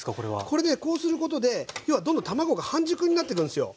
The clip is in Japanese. これねこうすることで要はどんどん卵が半熟になってくんすよ。